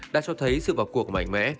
đã cho thấy sự vào cuộc mạnh mẽ